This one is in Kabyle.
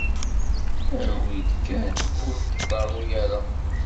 Awi-d kan ur d-tḍerru ara!